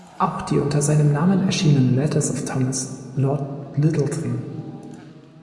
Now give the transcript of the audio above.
Auch die unter seinem Namen erschienenen "Letters of Thomas, Lord Lyttelton.